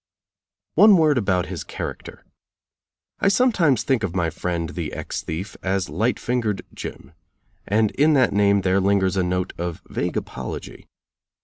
One word about his character: I sometimes think of my friend the ex thief as "Light fingered Jim"; and in that name there lingers a note of vague apology.